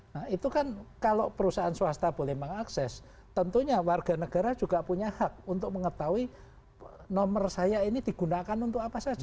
nah itu kan kalau perusahaan swasta boleh mengakses tentunya warga negara juga punya hak untuk mengetahui nomor saya ini digunakan untuk apa saja